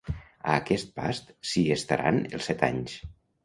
A aquest past s'hi estaran els set anys.